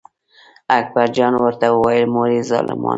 اکبر جان ورته وویل: مورې ظالمانو.